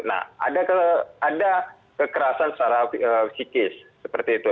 nah ada kekerasan secara psikis seperti itu